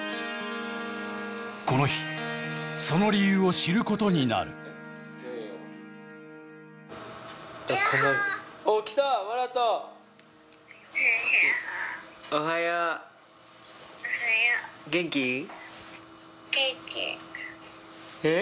この日その理由を知ることになるヤッホーええっ？